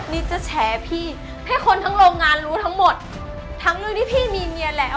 นิสจะไม่ยอมผ็มนิสก็จะไม่ยอมเป็นเมียน้อยใคร